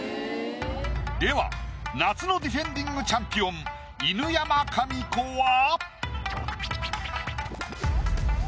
では夏のディフェンディングチャンピオン犬山紙子は。